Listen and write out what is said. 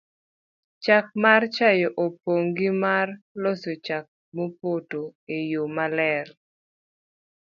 chak mar chae opog gi mar loso chak mopoto e yo maler